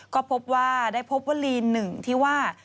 ก็พบว่าได้พบว่าลีน๑ที่ว่า